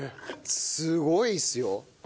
すごいっすよ！